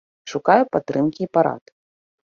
Шукае падтрымкі і парад.